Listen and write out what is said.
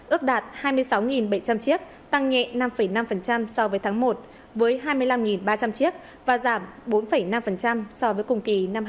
ước đạt hai mươi sáu bảy trăm linh chiếc tăng nhẹ năm năm so với tháng một